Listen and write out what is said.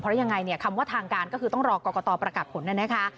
เพราะยังไงเนี่ยคำว่าทางการก็คือต้องรอกรกตประกาศผลน่ะนะคะ